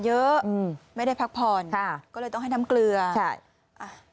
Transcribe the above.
อืมไม่ได้พักผ่อนค่ะก็เลยต้องให้น้ำเกลือใช่อ่ะ